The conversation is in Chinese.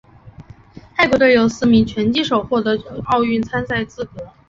泰国队有四名拳击手获得奥运参赛资格。